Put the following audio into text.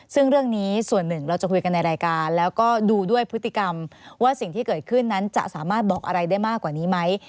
ซึ่งเรื่องนี้ส่วนหนึ่งเราจะคุยกันในรายการแล้วก็ดูด้วยพฤติกรรมว่าสิ่งที่เกิดขึ้นนั้นจะสามารถบอกอะไรได้มากกว่านี้ไหม